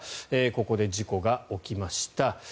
ここで事故が起きました。